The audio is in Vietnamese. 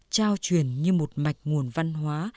trao truyền như một mạch nguồn văn hóa